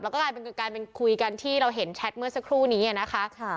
แล้วก็กลายเป็นคุยกันที่เราเห็นแชทเมื่อสักครู่นี้นะคะ